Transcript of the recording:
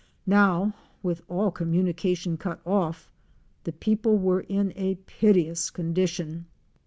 Now with all communication cut off the people were in a piteous condition.